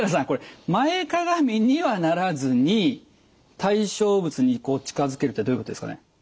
これ前かがみにはならずに対象物に近づけるってどういうことですかね？